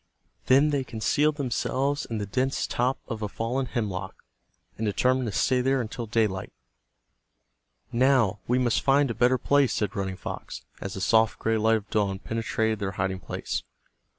Then they concealed themselves in the dense top of a fallen hemlock, and determined to stay there until daylight. "Now we must find a better place," said Running Fox, as the soft gray light of dawn penetrated their hiding place.